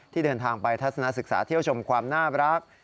เดินทางไปทัศนาศึกษาเที่ยวชมความน่ารัก